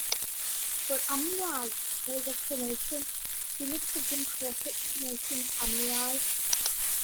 For alumni of that promotion, see List of Jim Crockett Promotions alumni.